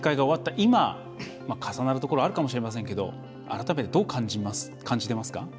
今重なるところがあるかもしれませんけど改めてどう感じていますか？